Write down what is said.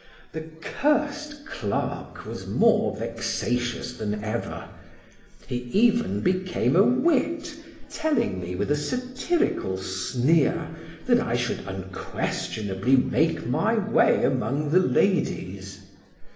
The cursed clerk was more vexatious than ever; he even became a wit, telling me, with a satirical sneer, that I should unquestionably make my way among the ladies.